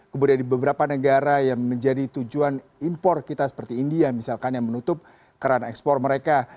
kemudian di beberapa negara yang menjadi tujuan impor kita seperti india misalkan yang menutup kerana ekspor mereka